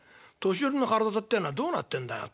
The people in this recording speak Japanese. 年寄りの体ってえのはどうなってんだい